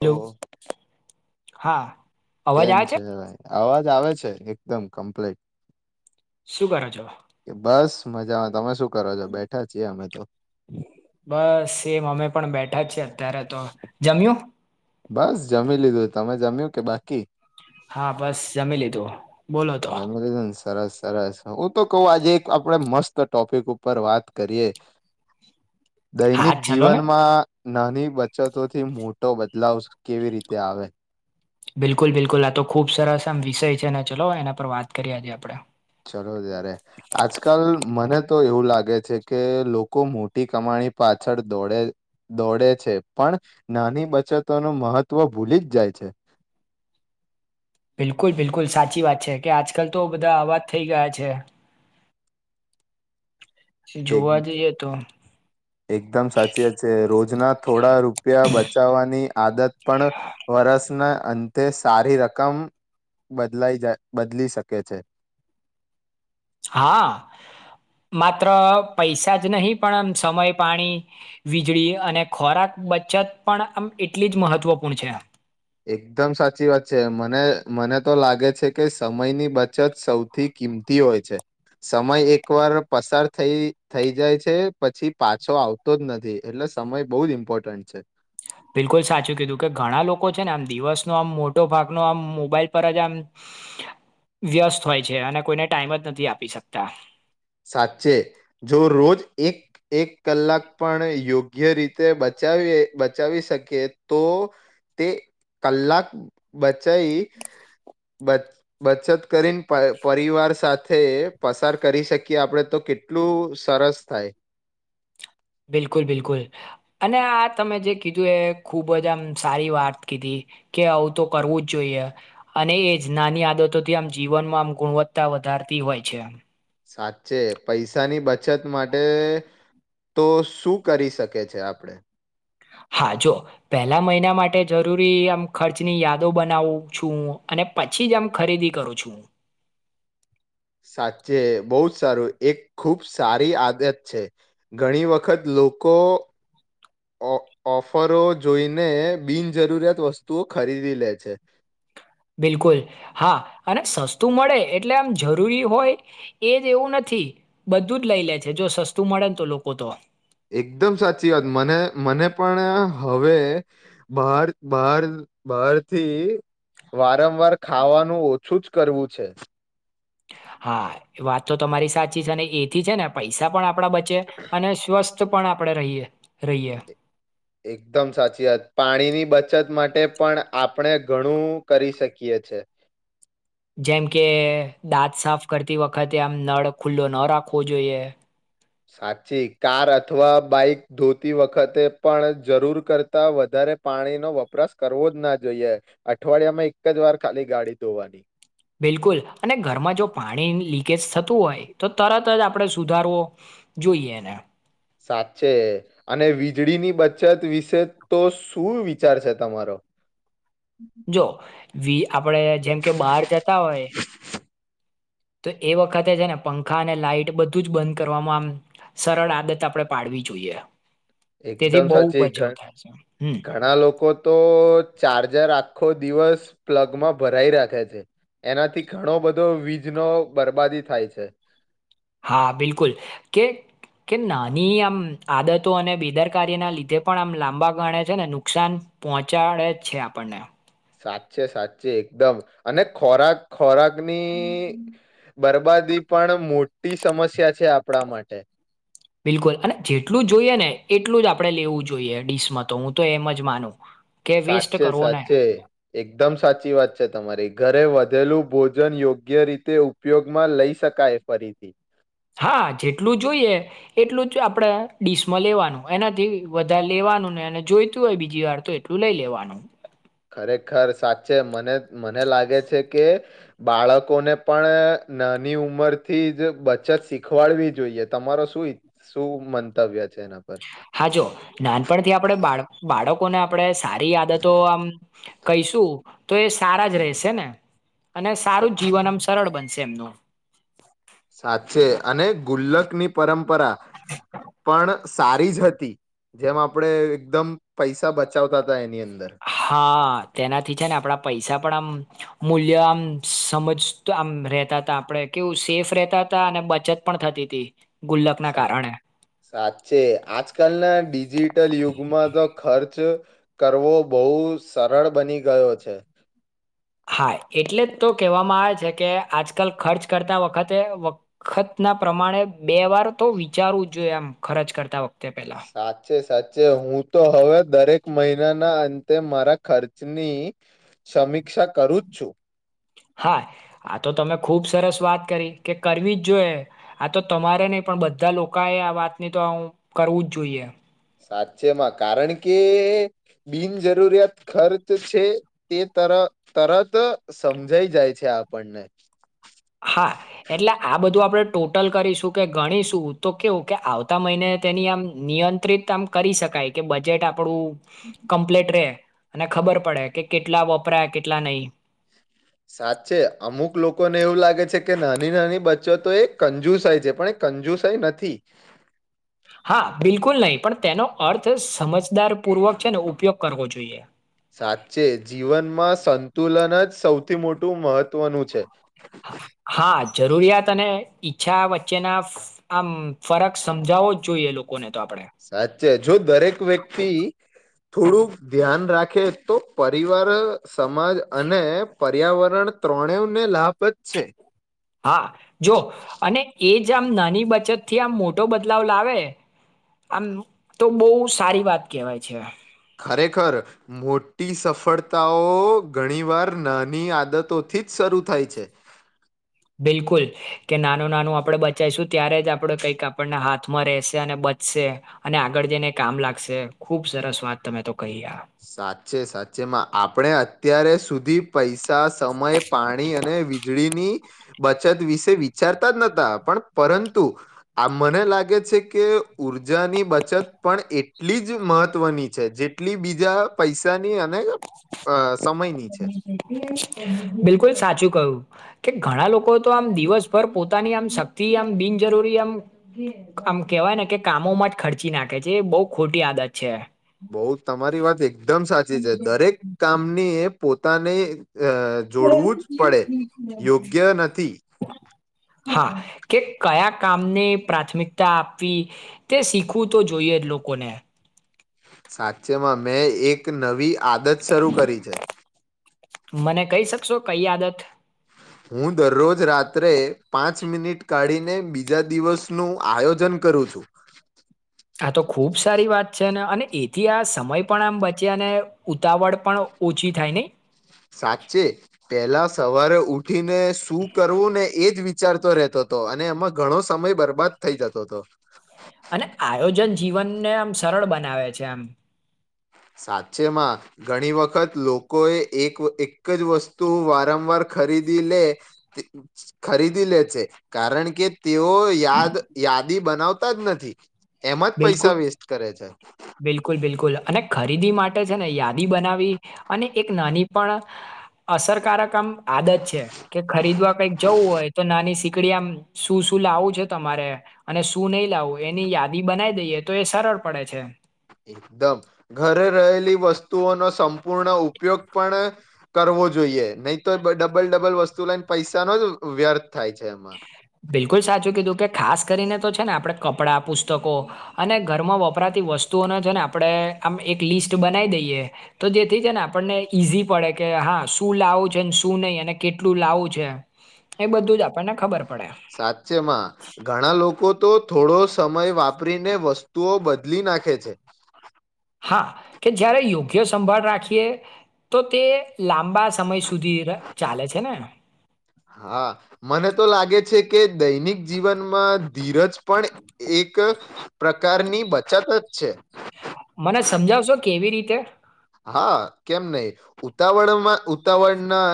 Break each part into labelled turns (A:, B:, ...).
A: તો
B: હા અવાજ
A: કેમ
B: આવે
A: છે ભાઈ અવાજ આવે છે એકદમ કમ્પ્લીટ
B: શું કરો છો
A: કે બસ મજામાં તમે શું કરો છો બેઠા છીએ અમે તો
B: બસ સેમ અમે પણ બેઠા છીએ અત્યારે તો જમ્યું
A: બસ જમી લીધું. તમે જમ્યું કે બાકી?
B: હા બસ જમી લીધું. બોલો તો
A: જમી લીધુન. સરસ સરસ હું તો કઉ આજે એક આપડે મસ્ત ટોપિક ઉપર વાત કરીએ.
B: હા
A: દૈનિક
B: ચલો ને
A: જીવનમાં નાની બચતોથી મોટો બદલાવ કેવી રીતે આવે.
B: બિલકુલ બિલકુલ. આ તો ખુબ સરસ આમ વિષય છે. ને ચલો એના પર વાત કરીએ. આજે આપડે.
A: ચલો ત્યારે. આજકાલ મને તો એવું લાગે કે લોકો મોટી કમાણી પાછળ દોડે દોડે છે. પણ નાની બચતોનું મહત્વ ભૂલી જ જાય છે.
B: બિલકુલ બિલકુલ સાચી વાત છે. કે આજકાલ તો બધા આવા જ થઈ ગયા છે.
A: એક
B: જોવા જઈએ તો
A: એકદમ સાચી વાત છે. રોજના થોડા રૂપિયા બચાવાની આદત પણ વરષના અં તે સારી રકમ બદલાઈ જાય બદલી શકે છે.
B: હા, માત્ર પૈસા જ નહી પણ આમ સમય, પાણી, વીજળી અને ખોરાક બચત પણ આમ એટલી જ મહત્વપૂર્ણ છે.
A: એકદમ સાચી વાત છે. મને મને તો લાગે છે કે સમયની બચત સૌથી કિંમતી હોય છે. સમય એકવાર પસાર થઈ થઈ જાય છે પછી પાછો આવતો જ નથી. એટલે સમય બઉ જ ઇમ્પોર્ટન્ટ છે.
B: બિલકુલ સાચું કીધું કે ઘણા લોકો છે ને આમ દિવસનો આમ મોટો ભાગનો આમ મોબાઈલ પર જ આમ વ્યસ્ત હોય છે. અને કોઈને ટાઈમ જ નથી આપી શકતા.
A: સાચે જો રોજ એક-એક કલાક પણ યોગ્ય રીતે બચાવીએ બચાવી શકીએ તો તે કલાક બચઈ બચ બચત કરીને પ પરિવાર સાથે પસાર કરી શકે. કે આપડે તો કેટલું સરસ થાય.
B: બિલકુલ બિલકુલ અને આ તમે જે કીધું એ ખૂબ જ આમ સારી વાત કીધી કે આવું તો કરવું જ જોઈએ. અને એ જ નાની આદતોથી આમ જીવનમાં આમ ગુણવત્તા વધારતી હોય છે.
A: સાચે પૈસાની બચત માટે તો શું કરી શકે છે આપડે?
B: હા, જો પેહલા મહિના માટે જરૂરી આમ ખર્ચની યાદો બનાવું છું. અને પછી જ આમ ખરીદી કરું છું હુ.
A: સાચે બહુ જ સારું એક ખુબ સારી આદત છે. ઘણી વખત લોકો ઓ ઓફરો જોઈને બિનજરૂરિયાત વસ્તુઓ ખરીદી લે છે.
B: બિલકુલ. હા અને સસ્તું મળે એટલે આમ જરૂરી હોય એજ એવું નથી. બધું જ લઈ લે છે. જો સસ્તું મળે ન તો લોકો તો
A: એકદમ સાચી વાત મને મને પણ હવે બહાર બહાર બહારથી વારંવાર ખાવાનું ઓછું જ કરવું છે.
B: હા, વાત તો તમારી સાચી છે. અને એથી છે ને પૈસા પણ આપ આપડા બચે અને સ્વસ્થ પણ આપડે રહીએ રહીએ.
A: એકદમ સાચી વાત. પાણીની બચત માટે પણ આપણે ઘણું કરી શકીએ છે.
B: જેમ કે દાંત સાફ કરતી વખતે આમ નળ ખુલ્લો ન રાખવો જોઈએ.
A: સાચી. કાર અથવા બાઈક ધોતી વખતે પણ જરૂર કરતા વધારે પાણીનો વપરાશ કરવો જ ના જોઈએ. અઠવાડિયામાં એક જ વાર ખાલી ગાડી ધોવાની.
B: બિલકુલ અને ઘરમાં જો પાણી લીકેજ થતું હોય તો તરત જ આપડે સુધારવો જોઈએ એને.
A: સાચે અને વીજળીની બચત વિશે તો શું વિચાર છે તમારો?
B: જો. વી આપડે જેમ કે બહાર જતા હોય તો એ વખતે છે ને પંખા અને લાઈટ બધું જ બંધ કરવામાં આમ સરળ આદત આપડે પાડવી જોઈએ. તેથી
A: એકદમ
B: બહુ
A: સાચી
B: બચાવ
A: ઘ
B: થાય છે. હમ
A: ઘણા લોકો તો ચાર્જર આખો દિવસ પ્લગમાં ભરાઈ રાખે છે. એનાથી ઘણો બધો વીજનો બરબાદી થાય છે.
B: હા બિલકુલ કે કે નાની આમ આદતો અને બેદરકારીના લીધે પણ આમ લાંબા ગાળે છે ને નુકસાન પહોંચાડે છે. આપડને.
A: સાચે સાચે એકદમ અને ખોરાક ખોરાકની બરબાદી પણ મોટી સમસ્યા છે. આપડા માટે.
B: બિલકુલ અને જેટલું જોઈએ ને એટલું જ આપડે લેવું જોઈએ ડીશમાં તો હું તો એમ જ માનું. કે વેસ્ટ
A: સાચે
B: કરવો ના
A: સાચે
B: જોઈએ.
A: એકદમ સાચી વાત છે. તમારી ઘરે વધેલું ભોજન યોગ્ય રીતે ઉપયોગમાં લઈ શકાય ફરીથી.
B: હા જેટલું જોઈએ, એટલું જ આપણે ડીશમાં લેવાનું એનાથી વધારે લેવાનું ને અને જોઈતું હોય બીજી વાર તો એટલું લઈ લેવાનું.
A: ખરેખર સાચે મને મને લાગે છે કે, બાળકોને પણ નાની ઉંમર થી જ બચત શીખવાડવી જોઈએ તમારો શું શું મંતવ્ય છે એના પર
B: હા જો નાનપણથી આપડે બાળ બાળકો કોને આપડે સારી આદતો આમ કહીશું તો એ સારા જ રહેશે ને. અને
A: સા
B: સારું જીવન આમ સરળ બનશે એમનું.
A: સાચે અને ગુલ્લકની પરં પરા, પણ સારી જ હતી, જેમ આપડે એકદમ પૈસા બચાવતા હતા એની અંદર.
B: હા તેનાથી છે ને આપણા પૈસા પણ આમ મૂલ્ય આમ સમજ આમ રેતા હતા આપણેે કેવું સેફ રહેતા હતા અને બચત પણ થતી હતી. ગુલ્લકના
A: સા
B: કારણે.
A: સાચે આજકાલના ડિજિટલ યુગમાં તો ખર્ચ કરવો બહુ સરળ બની ગયો છે.
B: હા એટલે જ તો કહેવામાં આવે છે, કે આજકાલ ખર્ચ કરતા વખતે વખતના પ્રમાણે બે વાર તો વિચારવું જોઈએ એમ ખર્ચ કરતા વખતે પેલા.
A: સાચ છે સાચ હું તો હવે દરેક મહિનાના અંતે મારા ખર્ચની, સમીક્ષા કરું જ છું.
B: હા આ તો તમે ખુબ સરસ વાત કરી કે કરવી જ જોઈએે, આ તો તમારે નહી પણ બધા લોકોએ આ વાતની તો કરવું જ જોઈએ.
A: સાચેમાં કારણ કે બિનજરૂરિયાત ખર્ચ છે તે તર તરત સમજાઈ જાય છે આપણને.
B: હા એટલે આ બધું આપડે ટોટલ કરીશું કે ગણીશું તો કેવું કે આવતા મહિને તેની આમ નિયંત્રિત આમ કરી શકાય કે બજેટ આપ આપડું, કમ્પ્લેટ રે. અને ખબર પડે કે કેટલા વપરાય કેટલા નહી.
A: સાચે અમુક લોકોને એવું લાગે છે કે નાની નાની બચ્ચો તો એ કંજુસાય છે પણ એ કંજુસાઈ નથી.
B: હા બિલકુલ નહીં પણ તેનો અર્થ સમજદાર પૂર્વક છે ને ઉપયોગ કરવો જોઈએ.
A: સાચે જીવનમાં સંતુલન જ સૌથી મોટું મહત્વનું છે.
B: હા જરૂરિયાત અને ઈચ્છા વચ્ચેના આમ ફરક સમજાવવો જ જોઈએ લોકોને. તો આપણે.
A: સાચે જો દરેક વ્યક્તિ થોડુંક ધ્યાન રાખે તો પરિવાર સમાજ અને પર્યાવરણ ત્રણે ને લાભ જ છે.
B: હા જો અને એ જ આમ નાની બચત થી આમ મોટો બદલાવ લાવે, આમ તો બહુ સારી વાત કહેવાય છે.
A: ખરેખર, મોટી સફળતાઓ ઘણી વાર નાની આદતોથી જ શરૂ થાય છે.
B: બિલકુલ, કે નાનું નાનું આપણે બચાવશું ત્યારે જ આપણે કંઈક આપણના હાથમાં રશે અને બચશે અને આગળ જઈને કામ લાગશે ખુબ સરસ વાત તમે તો કહી આપ
A: સાચે સાચે માં આપણે અત્યારે સુધી પૈસા સમય પાણી અને વીજળીની બચત વિશે વિચારતા જ નહતા પણ પરંતુ, આ મને લાગે છે કે ઉઊર્જાની બચત પણ એટલી જ મહત્વની છે જેટલી બી બીજા પૈસાની અ સમયની છે
B: બિલકુલ સાચું કહ્યું. કે ઘણા લોકો તો આમ દિવસભર પોતાની આમ શક્તિ આમ બિનજરૂરી આમ આમ કેવાય ને કે કામોમાં જ ખર્ચી નાખે છે એ બહું ખોટી આદત છે.
A: બઉ તમારી વાત એકદમ સાચી છે દરે એક કામની એ પોતે તા ને અ જોડવું જ પડે યોગ્ય નથી.
B: હા કે કયા કામને પ્રાથમિકતા આપવી તે શીખવું તો જોઈએ જ લોકોને.
A: સાચે માં મેં એક નવી આદત શરૂ કરી છે.
B: મને કહી શકશો કઈ આદત.
A: હું દરરોજ રાત્રે પાંચ મિનિટ કાઢીને બીજા દિવસનું આયોજન કરું છું.
B: આ તો ખુબ સારી વાત છે ને અને એથી આ સમય પણ આમ બચે અને ઉતાવળ પણ ઓછી થાય નઈ.
A: સાચે પેલા સવારે ઉ ઠી ને શું કરવું ને એ
B: અને આયોજન જીવનને આમ સરળ બનાવે છે આમ.
A: સાચેમાં ઘણી વખત લોકોએ એક એક જ વસ્તુ વારંવાર ખરીદી લે ખરીદી લે છે કારણ કે તેઓ યાદ યાદી બનાવતાજ નથી. એમાં જ પૈસા
B: બિલકુલ
A: વેસ્ટ કરે છે.
B: બિલકુલ બિલકુલ અને ખરીદી માટે છે ને યાદી બનાવી અને એક નાની પણ અસરકારક આમ આદત છે કે ખરીદવા કઈક જવું હોય તો નાની સીકડી આમ શું શું લાવું છે તમારે અને શું નહી લાવું એની યા દી બનાવી દઈએ તો એ સરળ પડે છે.
A: એકદમ ઘરે રહેલી વસ્તુઓનો સંપૂર્ણ ઉપયોગ પણ કરવો જોઈએ, નઈ તો ડબલ ડબલ વસ્તુ લઈને પૈસાનો જ વ્યર્
B: બિલકુલ સાચું કીધું કે ખાસ કરીને તો છે ને આપણે કપડાં પુસ્તકો અને ઘરમાં વપરાતી વસ્તુઓને છે ને આપડે એક લિસ્ટ બ
A: સાચે માં ઘણા લોકો તો થોડો સમય વાપરીને વસ્તુઓ બદલી નાખે છે.
B: હા કે જયારે યોગ્ય સંભાળ રાખીએ તો તે લાંબા સમય સુધી ર ચાલે છે ને.
A: હા મને તો લાગે છે કે દૈનિક જીવનમાં ધીરજ પણ એક પ્રકારની બચત છે.
B: મને સમજાવશો કેવી રીતે?
A: હા કેમ નહી ઉતાવળમાં ઉતાવળનાઅ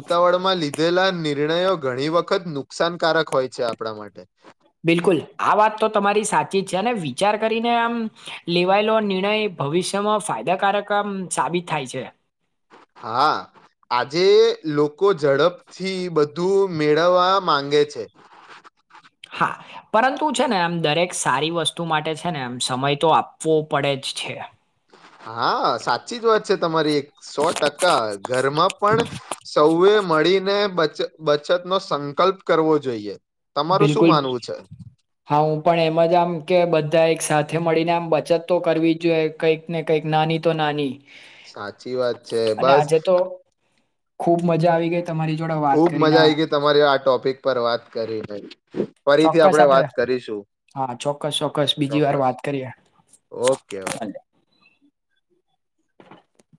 A: ઉતાવળમાં લીધેલા નિર્ણયો ઘણી વખત નુકસાનકારક હોય છે આપડા માટે.
B: બિલકુલ આ વાત તો તમારી સાચી છે ને વિચાર કરીને આમ લેવાયેલો નિર્ણય ભવિષ્યમાં ફાયદાકારક આમ સાબિત
A: હા આજે લોકો ઝડપથી બધું મેળવવા માંગે છે.
B: હા પરંતુ છે ને એમ દરેક સારી વસ્તુ માટે છે ને એમ સમય તો આપવો પડે જ છે.
A: હા સાચી જ વાત છે તમારી એક સો ટકા ઘરમાં પણ સૌએ મળીને બચ બચત નો સંકલ્પ કરવો જોઈએ. તમારું શું
B: બિલકુલ
A: માનવું છે
B: હા હું પણ એમ જ આમ કે બધા એક સાથે મળીને આમ બચત તો કરવી જ જોઈએ કંઈક ને કંઈક નાની તો નાની.
A: સાચી વાત છે
B: અને
A: બસ
B: આજે તો ખુબ મજા આવી ગઈ. તમારી જોડે વાત
A: ખુબ
B: કરીને
A: મજા આઈ ગઈ તમારે આ ટોપિક પર વાત કરી ભાઈ.
B: ચોક્કસ આપડે હા ચોક્કસ ચોક્કસ બીજી વાર
A: ચોક્કસ
B: વાત કરીએ. [inaudible]
A: Okay okay